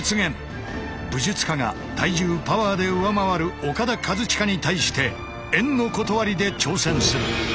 武術家が体重パワーで上回るオカダ・カズチカに対して円の理で挑戦する。